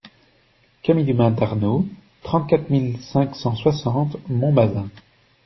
Cami du Mas d'Arnaud, trente-quatre mille cinq cent soixante Montbazin